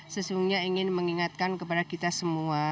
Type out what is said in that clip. sesungguhnya ingin mengingatkan kepada kita semua